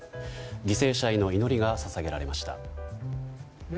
犠牲者への祈りが捧げられました。